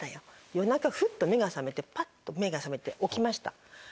夜中フッと目が覚めてパッと目が覚めて起きました。